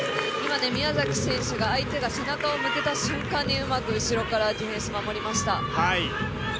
宮崎選手が相手が背中を向けた瞬間にうまく後ろからディフェンス守りました。